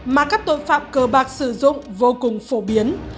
mà các tội phạm cơ bạc sử dụng vô cùng phổ biến